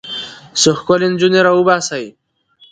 څو ښکلې نجونې راوباسي.